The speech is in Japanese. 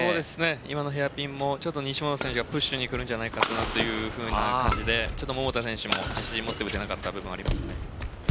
今のヘアピンも西本選手がプッシュにくるんじゃないかという感じで桃田選手も自信持って打てなかった部分があります。